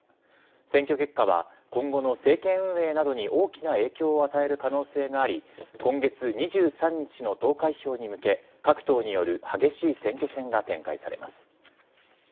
選挙結果は、今後の政権運営などに大きな影響を与える可能性があり、今月２３日の投開票に向け、各党による激しい選挙戦が展開されます。